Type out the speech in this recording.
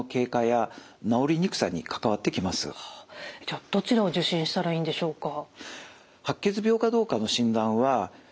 じゃあどちらを受診したらいいんでしょうか？